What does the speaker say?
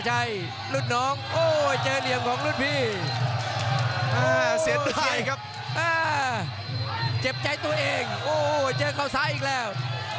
เจ็บใจตัวเองโอ้โหเจอเขาซ้ายอีกแล้ว